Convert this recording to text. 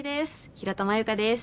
平田真優香です。